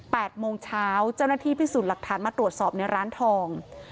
โมงเช้าเจ้าหน้าที่พิสูจน์หลักฐานมาตรวจสอบในร้านทอง